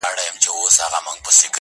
اوس درواخلئ ساړه سیوري جنتونه!